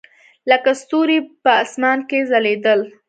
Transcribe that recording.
لکه ستوري په اسمان کښې ځلېدل.